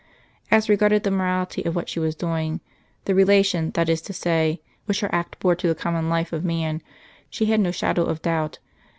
As regarded the morality of what she was doing the relation, that is to say, which her act bore to the common life of man she had no shadow of doubt.